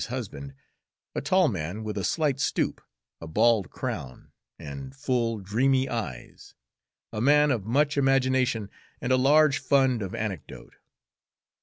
's husband, a tall man, with a slight stoop, a bald crown, and full, dreamy eyes, a man of much imagination and a large fund of anecdote.